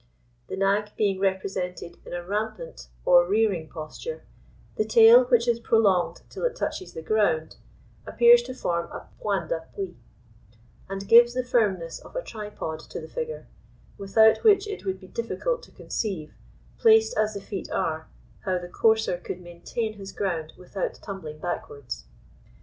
The nag being represented in a rampant or rearing posture, the tail, which is prolonged till it touches the ground, appears to form a point d'appui, and gives the firmness of a tripod to the figure, without which it would be difficult to conceive, placed as the feet are, how the courser could maintain his ground without tumbling backwards.